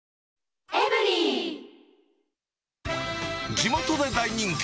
地元で大人気！